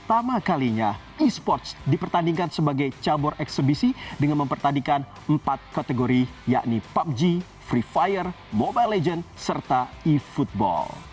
pertama kalinya e sports dipertandingkan sebagai cabur eksebisi dengan mempertandingkan empat kategori yakni pubg free fire mobile legends serta e football